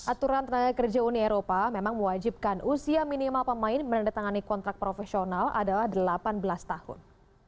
aturan tenaga kerja uni eropa memang mewajibkan usia minimal pemain menandatangani kontrak profesional adalah delapan belas tahun